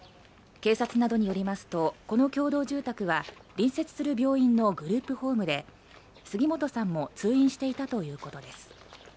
警察などによりますとこの共同住宅は隣接する病院のグループホームで杉本さんも通院していたということです。